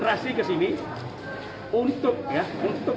dengan melakukan rapid test